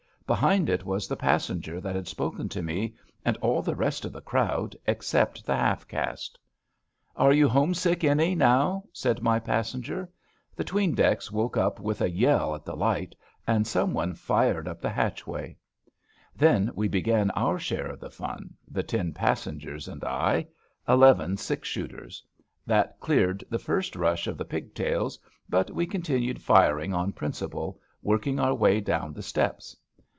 Behind it was the passenger that had spoken to me, and all the rest of the crowd, except the half caste. ^Are you homesick any now? ' said my pas senger. The 'tween decks woke up with a yell at the light, and some one fired up the hatchway. 10 ABAFT THE FUNNEL Then we began our share of the fun — ^the ten passengers and I. Eleven six shooters. That cleared the first rush of the pigtails, but we con tinued firing on principle, working our way down the steps.